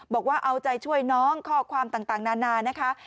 บอกว่าเอาใจช่วยน้องข้อความต่างนานานะคะ